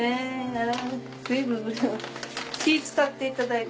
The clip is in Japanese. あら随分気ぃ使っていただいて。